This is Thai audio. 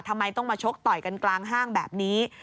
ทำไมต้องมาชกต่อยกันกลางห้างแบบนี้